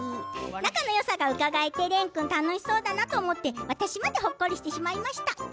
仲のよさが伺えて廉君楽しそうだなと思って私までほっこりしてしまいました。